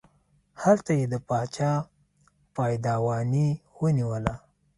هلته یې د باچا پایدواني ونیوله.